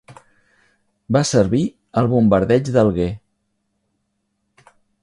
Va servir al Bombardeig d'Alger.